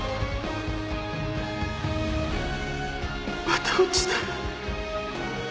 また落ちた